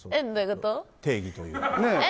定義というか。